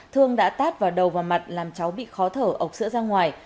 thương đã tát vào đầu và mặt làm cháu bị khó thở ộc sữa ra ngoài